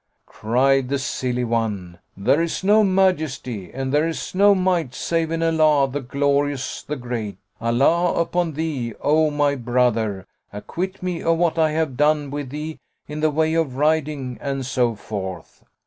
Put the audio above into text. Cried the silly one, "There is no Majesty and there is no Might save in Allah, the Glorious, the Great! Allah upon thee, O my brother, acquit me of what I have done with thee in the way of riding and so forth."